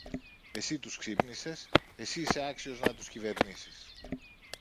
Εσύ τους ξύπνησες, εσύ είσαι άξιος να τους κυβερνήσεις!